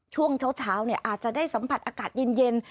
ช่วงเช้าอาจจะได้สัมผัสอากาศเย็น